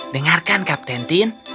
dengarkan kapten tin